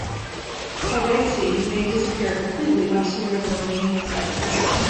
Kolbeinsey may disappear completely much sooner than originally expected.